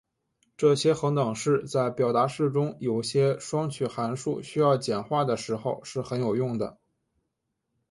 这些恒等式在表达式中有些双曲函数需要简化的时候是很有用的。